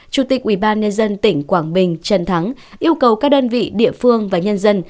chủ tịch ubnd tỉnh quảng bình trần thắng yêu cầu các đơn vị địa phương và nhân dân